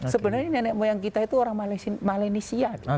sebenarnya nenek moyang kita itu orang malaysia